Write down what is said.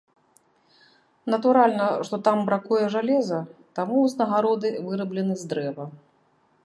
Натуральна, што там бракуе жалеза, таму ўзнагароды выраблены з дрэва.